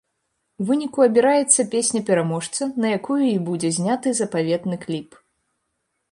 У выніку, абіраецца песня-пераможца, на якую і будзе зняты запаветны кліп.